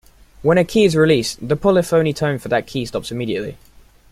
When a key is released the polyphony tone for that key stops immediately.